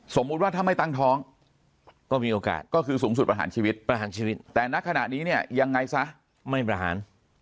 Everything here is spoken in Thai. สมมุติว่าถ้าไม่ตั้งท้องก็มีโอกาสก็คือสูงสุดประหารชีวิตประหารชีวิตแต่ณขณะนี้เนี่ยยังไงซะไม่ประหาร